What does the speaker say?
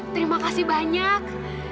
terima kasih banyak